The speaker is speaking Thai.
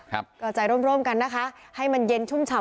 ก็ใจร่มร่มกันนะคะให้มันเย็นชุ่มฉ่ำ